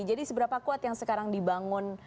jadi seberapa kuat yang sekarang dibangun